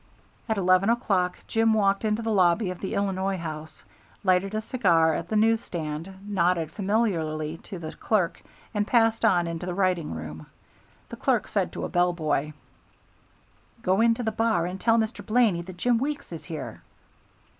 At eleven o'clock Jim walked into the lobby of the Illinois House, lighted a cigar at the news stand, nodded familiarly to the clerk, and passed on into the writing room. The clerk said to a bell boy, "Go into the bar and tell Mr. Blaney that Jim Weeks is here."